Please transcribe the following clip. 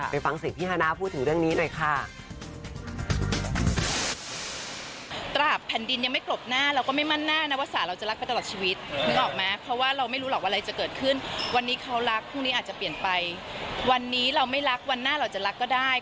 ไปฟังเสียงพี่ฮาน่าพูดถึงเรื่องนี้หน่อยค่ะ